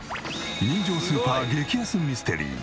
人情スーパー激安ミステリー。